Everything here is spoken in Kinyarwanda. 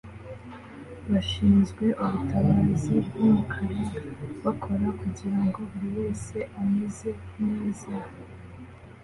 bashinzwe ubutabazi bwumukara bakora kugirango buri wese ameze neza